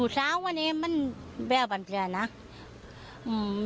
ต้องบอกพ่อหนู